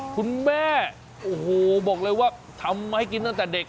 คุณแม่โอ้โหบอกเลยว่าทำให้กินตั้งแต่เด็ก